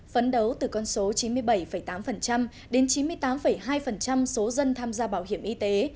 phấn đấu từ con số chín mươi bảy tám đến chín mươi tám hai số dân tham gia bảo hiểm y tế